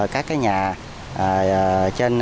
các cái nhà